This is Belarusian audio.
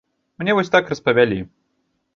Мне вось так распавялі.